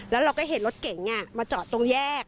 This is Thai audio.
แล้วเราก็เห็นรถเก๋งมาจอดตรงแยก